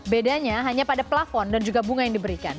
bedanya hanya pada plafon dan juga bunga yang diberikan